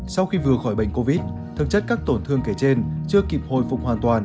sau khi vừa khỏi bệnh covid thực chất các tổn thương kể trên chưa kịp hồi phục hoàn toàn